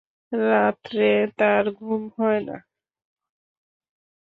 রাত্রে তার ঘুম হয় না।